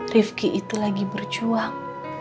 rifqi itu lagi berjuang